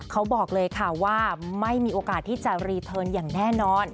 เขาบอกเลยค่ะว่าไม่มีโอกาสที่จะรีเทิร์นอย่างแน่นอน